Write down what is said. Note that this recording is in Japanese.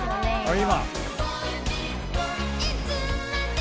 今。